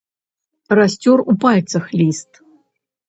Расцёр у пальцах ліст.